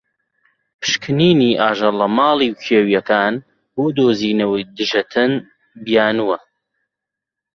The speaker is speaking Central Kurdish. پشکنینی ئاژەڵە ماڵی و کێویەکان بۆ دۆزینەوەی دژەتەن بیانوە.